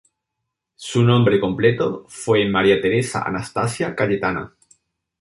Su nombre completo fue Maria Teresa Anastasia Cayetana.